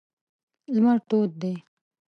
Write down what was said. لمر تود دی.